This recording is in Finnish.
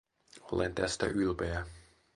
Olen tästä ylpeä.